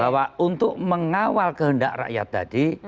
bahwa untuk mengawal kehendak rakyat tadi